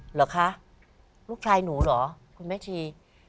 เหรอคะลูกชายหนูเหรอคุณแม่ชี